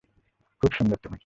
খুব সুন্দর তুমি।